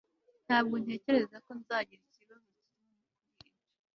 Ntabwo ntekereza ko nzagira ikibazo kinini kuri ibyo